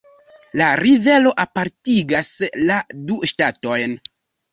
La rivero apartigas la du ŝtatojn.